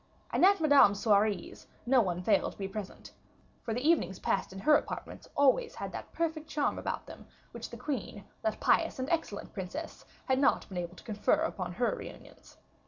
And at Madame's soirees no one failed to be present; for the evenings passed in her apartments always had that perfect charm about them which the queen, that pious and excellent princess, had not been able to confer upon her reunions.